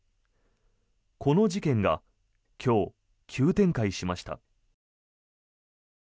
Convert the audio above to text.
この事件が今日、急展開しました。